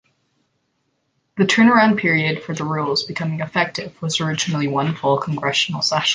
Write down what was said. The turn-around period for the rules becoming effective was originally one full congressional session.